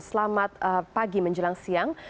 selamat pagi menjelang siang